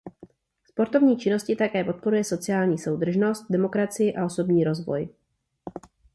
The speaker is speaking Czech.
Sportovní činnost také podporuje sociální soudržnost, demokracii a osobní rozvoj.